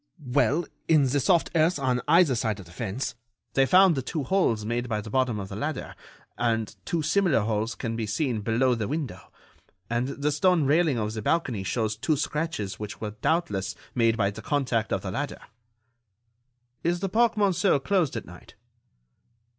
"Well, in the soft earth on either side of the fence, they found the two holes made by the bottom of the ladder, and two similar holes can be seen below the window. And the stone railing of the balcony shows two scratches which were doubtless made by the contact of the ladder." "Is the Parc Monceau closed at night?"